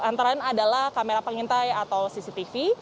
antara lain adalah kamera pengintai atau cctv